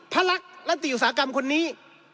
พระรักรัฐติอุตสาหกรรมคนนี้